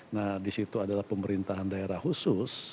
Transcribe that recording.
nah disitu adalah pemerintahan daerah khusus